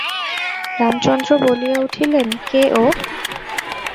রামচন্দ্র বলিয়া উঠিলেন, কে ও?